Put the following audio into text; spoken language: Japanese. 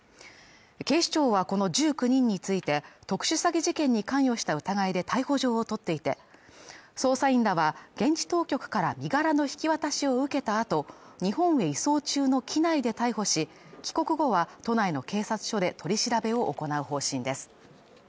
警視庁はこの１９人について、特殊詐欺事件に関与した疑いで逮捕状を取っていて、捜査員らは現地当局から身柄の引き渡しを受けた後、日本へ移送中の機内で逮捕し、帰国後は都内の警察署で取り調べを行う方針です。